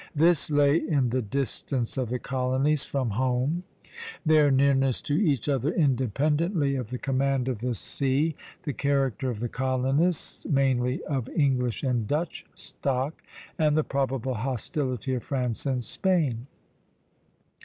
This lay in the distance of the colonies from home, their nearness to each other independently of the command of the sea, the character of the colonists, mainly of English and Dutch stock, and the probable hostility of France and Spain.